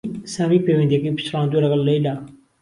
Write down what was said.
سامی پەیوەندییەکەی پچڕاندووە لەگەڵ لەیلا